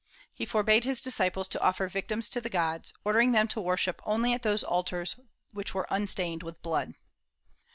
He forbade his disciples to offer victims to the gods, ordering them to worship only at those altars which were unstained with blood.